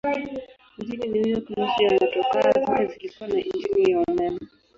Mjini New York nusu ya motokaa zote zilikuwa na injini ya umeme.